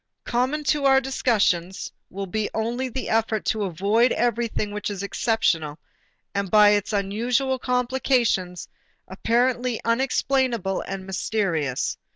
Common to our discussions will be only the effort to avoid everything which is exceptional and by its unusual complications apparently unexplainable and mysterious.